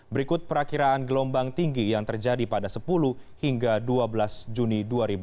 berikut perakiraan gelombang tinggi yang terjadi pada sepuluh hingga dua belas juni dua ribu dua puluh